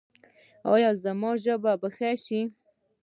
ایا زما ژبه به ښه شي؟